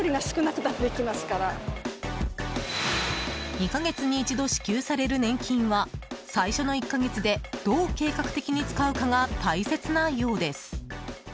２か月に一度支給される年金は最初の１か月でどう計画的に使うかが大切なようです。